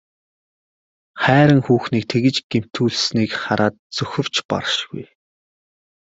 Хайран хүүхнийг тэгж гэмтүүлснийг харааж зүхэвч баршгүй.